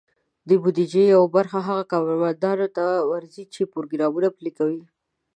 د بودیجې یوه برخه هغه کارمندانو ته ورځي، چې پروګرامونه پلي کوي.